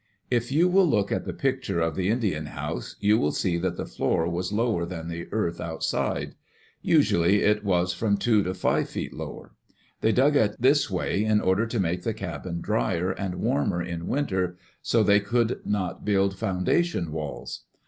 If you will look at the picture of the Indian house, you will see that the floor was lower than the earth out side. Usually it was from two to five feet lower. They dug it this way in order to make the cabin drier and warmer in winter, as they could not build foundation walls.